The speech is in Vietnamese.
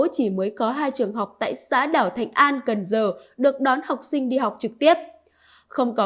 chỉ mới có hai trường học tại xã đảo thạnh an cần giờ được đón học sinh đi học trực tiếp không có